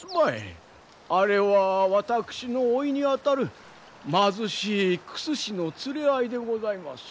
あれは私の甥にあたる貧しい薬師の連れ合いでございます。